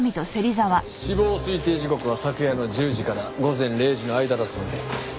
死亡推定時刻は昨夜の１０時から午前０時の間だそうです。